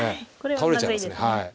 倒れちゃいますねはい。